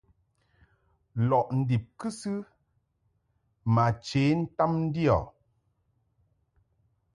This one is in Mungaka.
Lɔʼ ndib kɨsɨ ma che ntam ndio.